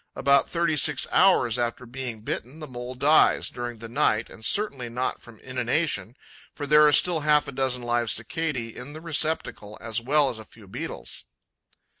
About thirty six hours after being bitten, the Mole dies during the night and certainly not from inanition, for there are still half a dozen live Cicadae in the receptacle, as well as a few Beetles.